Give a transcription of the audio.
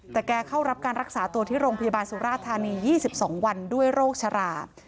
แต่แกเข้ารับการรักษาตัวที่โรงพยาบาลสุราธานี๒๒วันด้วยโรคชรา